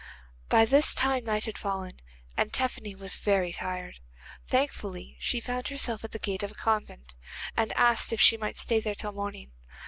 By this time night had fallen, and Tephany was very tired. Thankfully she found herself at the gate of a convent, and asked if she might stay there till morning.